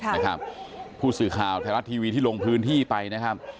นะครับผู้สื่อข่าวไทยรัฐทีวีที่ลงพื้นที่ไปนะครับ